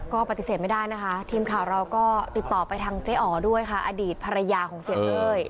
ก็ปฏิเสธไม่ได้นะคะทีมข่าวเราก็ติดต่อไปทางเจ๊อ๋อด้วยค่ะอดีตภรรยาของเสียเต้ย